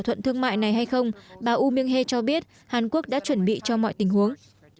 thuận thương mại này hay không bà woo myung hae cho biết hàn quốc đã chuẩn bị cho mọi tình huống